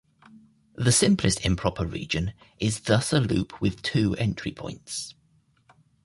The simplest improper region is thus a loop with two entry points.